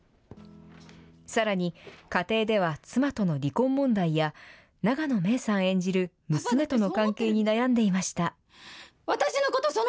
さらに家庭では妻との離婚問題や永野芽郁さん演じる娘との関係に悩んでいました。